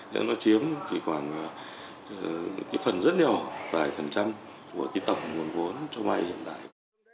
nếu nó chiếm thì khoảng phần rất đều vài phần trăm của tổng nguồn vốn cho vây hiện tại